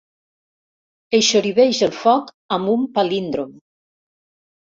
Eixoriveix el foc amb un palíndrom.